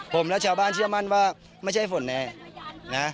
ผมและชาวบ้านเชื่อมั่นว่าไม่ใช่ฝนแน่นะ